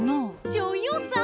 女優さん？